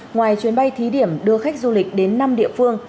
ngoài chuyến bay thí điểm đưa khách du lịch đến năm địa phương